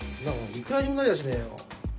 幾らにもなりゃしねえよ。